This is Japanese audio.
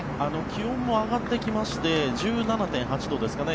気温も上がってきまして１７．８度ですかね。